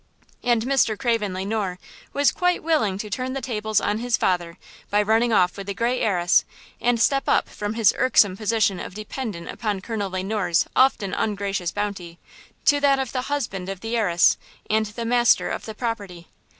And Mr. Craven Le Noir was quite willing to turn the tables on his father by running off with the great heiress, and step from his irksome position of dependent upon Colonel Le Noir's often ungracious bounty to that of the husband of the heiress and the master of the property.